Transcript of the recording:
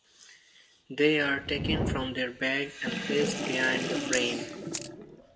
They are taken from their bag and placed behind the frame.